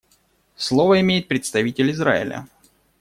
Слово имеет представитель Израиля.